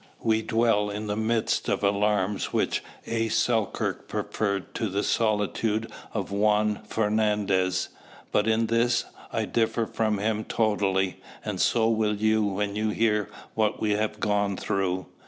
We dwell in the midst of alarms which A. Selkirk preferred to the solitude of Juan Fernandez; but in this I differ from him totally, and so will you when you hear what we have gone through.